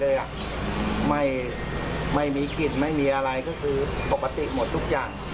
ไม่มีกลิ่นไม่มีอะไรก็คือปกติหมดทุกอย่าง